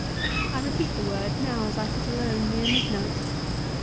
I repeat the word, now as I sit alone near midnight.